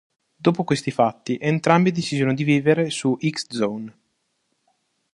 Dopo questi fatti, entrambi decisero di vivere su X Zone.